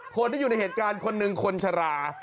คนที่อยู่ในเหตุการณ์คนหนึ่งคนชรา